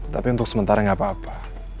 tapi untuk sementara nggak apa apa